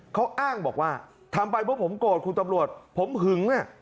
เขาอ้างบอกว่าทำไปเพราะผมโกรธคุณตำรวจผมหึงเนี่ย